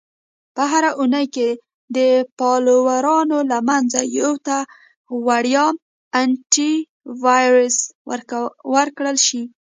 - په هره اونۍ کې د فالوورانو له منځه یو ته وړیا Antivirus ورکړل شي.